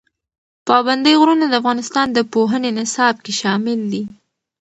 پابندی غرونه د افغانستان د پوهنې نصاب کې شامل دي.